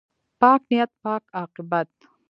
پاک نیت، پاک عاقبت.